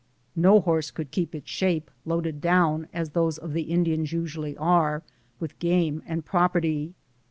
No horse could keep its shape loaded down, as those of the Indians usually are, with game and property.